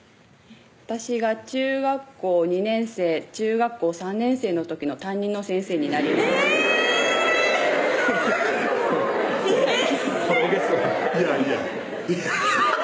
私が中学校２年生・中学校３年生の時の担任の先生になりますえぇっ！